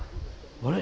あれ？